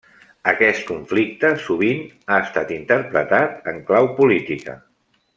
Aquest conflicte sovint ha estat interpretat en clau política.